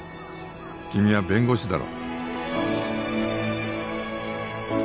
君は弁護士だろ？